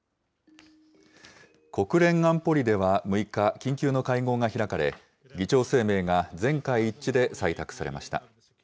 国連安保理では６日、緊急の会合が開かれ、議長声明が全会一致で採択されました。